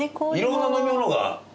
色んな飲み物が！